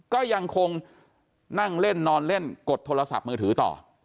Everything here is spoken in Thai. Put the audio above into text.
ก็ยังคงนั่งเล่นนอนเล่นกดโทรศัพท์มือถือต่อ